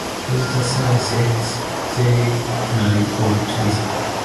As the sun sets they ride off together.